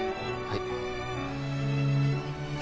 はい。